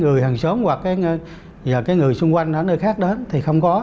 giờ cái người xung quanh ở nơi khác đến thì không có